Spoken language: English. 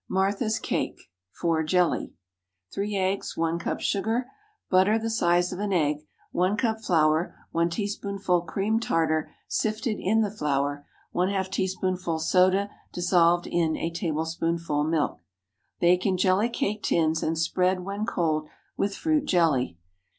MARTHA'S CAKE (For Jelly.) ✠ 3 eggs. 1 cup sugar. Butter, the size of an egg. 1 cup flour. 1 teaspoonful cream tartar, sifted in the flour. ½ teaspoonful soda, dissolved in a tablespoonful milk. Bake in jelly cake tins, and spread, when cold, with fruit jelly.